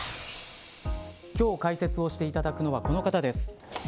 今日、解説をしていただくのはこの方です。